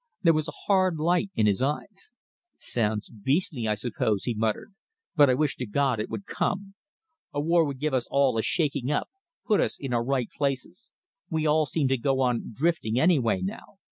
There was a hard light in his eyes. "Sounds beastly, I suppose," he muttered, "but I wish to God it would come! A war would give us all a shaking up put us in our right places. We all seem to go on drifting any way now.